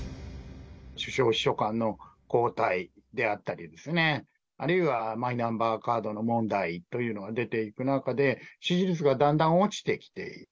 首相秘書官の交代であったり、あるいはマイナンバーカードの問題というのが出ていく中で、支持率がだんだん落ちてきている。